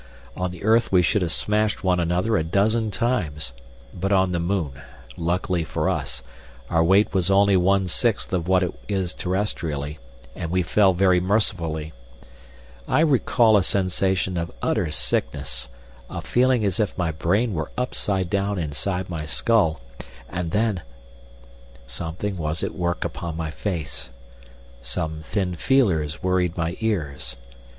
On the earth we should have smashed one another a dozen times, but on the moon, luckily for us, our weight was only one sixth of what it is terrestrially, and we fell very mercifully. I recall a sensation of utter sickness, a feeling as if my brain were upside down within my skull, and then— Something was at work upon my face, some thin feelers worried my ears.